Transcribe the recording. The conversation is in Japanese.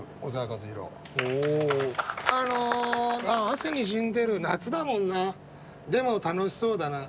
汗にじんでる夏だもんなでも楽しそうだな。